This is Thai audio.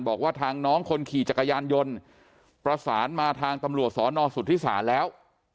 บอกว่าทางน้องคนขี่จักรยานยนต์ประสานมาทางตำรวจสอนอสุทธิศาลแล้ว